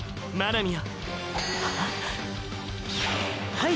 はい！！